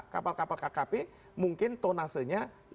kapal kapal kkp mungkin tonasenya lebih rendah lebih kecil